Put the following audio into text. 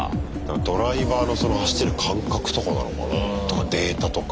ドライバーのその走ってる感覚とかなのかな？とかデータとか？